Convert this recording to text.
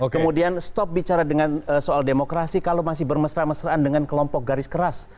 kemudian stop bicara dengan soal demokrasi kalau masih bermesra mesraan dengan kelompok garis keras